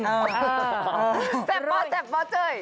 แซ่บบ่อแซ่บบ่อเจ้ย